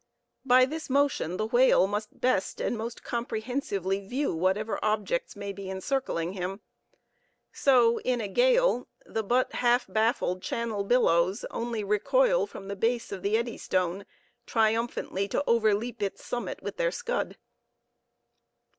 By this motion the whale must best and most comprehensively view whatever objects may be encircling him. So, in a gale, the but half baffled Channel billows only recoil from the base of the Eddystone, triumphantly to overleap its summit with their scud.